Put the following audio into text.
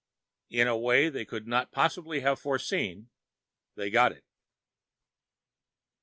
In a way they could not possibly have foreseen, they got it.